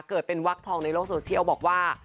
เกิดเป็นวักทองในโลกโซเชียลบอกว่า